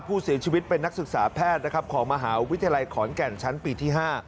ผู้เสียชีวิตเป็นนักศึกษาแพทย์นะครับของมหาวิทยาลัยขอนแก่นชั้นปีที่๕